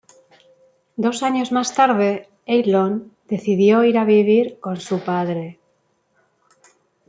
Dos años más tarde Elon decidió ir a vivir con su padre.